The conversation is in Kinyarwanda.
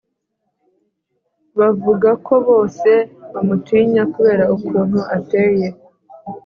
bavuga ko bose bamutinya kubera ukuntu ateye